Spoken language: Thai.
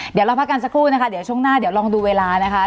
เดี๋ยวเราพักกันสักครู่นะคะเดี๋ยวช่วงหน้าเดี๋ยวลองดูเวลานะคะ